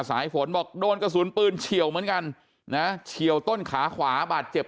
สายฝนบอกโดนกระสุนปืนเฉียวเหมือนกันนะเฉียวต้นขาขวาบาดเจ็บ